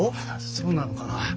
そうなのかなあ。